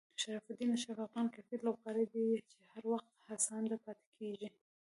شرف الدین اشرف د افغان کرکټ لوبغاړی دی چې هر وخت هڅاند پاتې کېږي.